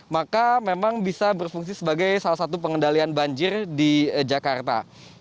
maka memang bisa berfungsi sebagai salah satu pengendalian banjir di jakarta